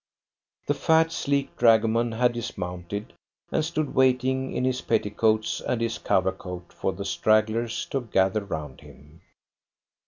The fat, sleek dragoman had dismounted, and stood waiting in his petticoats and his cover coat for the stragglers to gather round him.